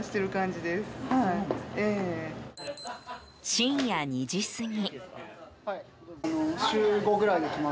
深夜２時過ぎ。